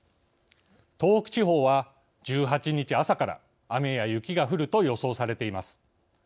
東北地方は、１８日朝から雨や雪が降ると予想されています。